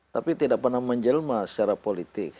tapi tidak pernah menjelma secara politik